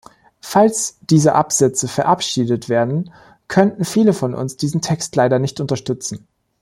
Falls diese Absätze verabschiedet werden, könnten viele von uns diesen Text leider nicht unterstützen.